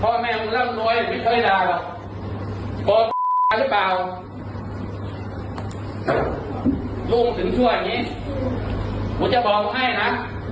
ลูกถึงชั่วอย่างนี้ครูจะบอกให้นะ